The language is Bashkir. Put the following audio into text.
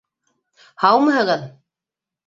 Һаумыһығыҙ!